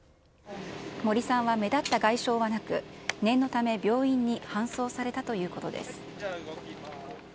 森さんは目立った外傷はなく、念のため、病院に搬送されたということです。